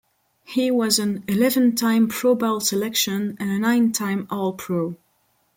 He was an eleven-time Pro Bowl selection and a nine-time All-Pro.